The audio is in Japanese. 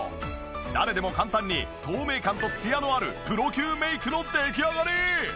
誰でも簡単に透明感とツヤのあるプロ級メイクの出来上がり！